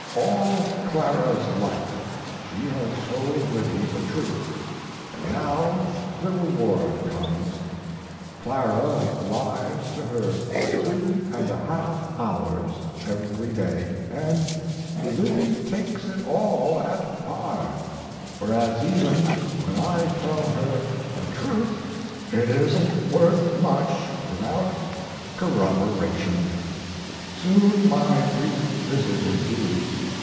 All Clara's life she has told Livy the truth and now the reward comes; Clara lies to her three and a half hours every day, and Livy takes it all at par, whereas even when I tell her a truth it isn't worth much without corroboration.... Soon my brief visit is due.